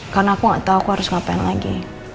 karena aku gak tau aku harus ngapain lagi